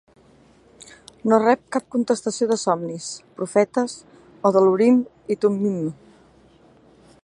No rep cap contestació de somnis, profetes, o del Urim i Thummim.